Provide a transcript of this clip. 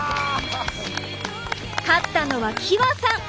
勝ったのはきわさん！